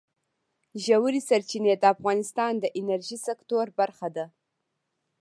ژورې سرچینې د افغانستان د انرژۍ سکتور برخه ده.